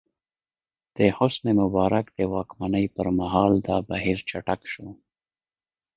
د حسن مبارک د واکمنۍ پر مهال دا بهیر چټک شو.